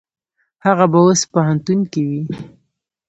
هغه به اوس پوهنتون کې وي.